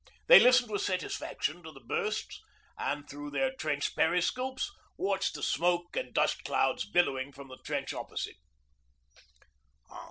They listened with satisfaction to the bursts, and through their trench periscopes watched the smoke and dust clouds billowing from the trench opposite.